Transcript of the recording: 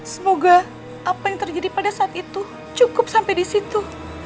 semoga apa yang terjadi pada saat itu cukup sampai di situ